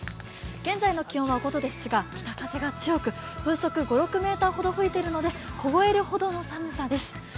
現在の気温は５度ですが北風が強く風速５６メートルほど吹いているので凍えるほどの寒さです。